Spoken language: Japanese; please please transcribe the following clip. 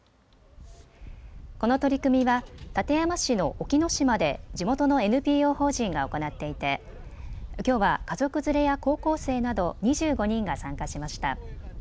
この取り組みは館山市の沖ノ島で地元のＮＰＯ法人が行っていてきょうは家族連れや高校生など２５人が参加しました。